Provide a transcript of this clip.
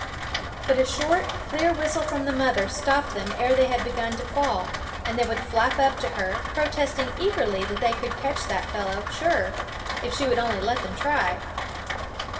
But a short, clear whistle from the mother stopped them ere they had begun to fall ; and they would flap up to her, protesting eagerly that they could catch that fellow, sure, if she would only let them try.